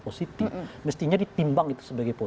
positif mestinya ditimbang itu sebagai